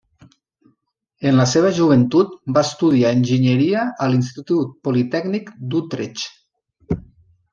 En la seva joventut va estudiar enginyeria a l'Institut Politècnic d'Utrecht.